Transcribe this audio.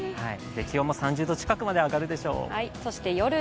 気温も３０度近くまで上がるでしょう。